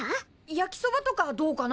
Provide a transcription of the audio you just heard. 焼きそばとかどうかな？